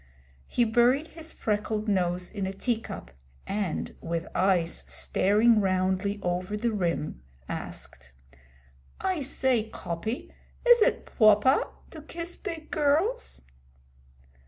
He buried his freckled nose in a tea cup and, with eyes staring roundly over the rim, asked: 'I say, Coppy, is it pwoper to kiss big girls?'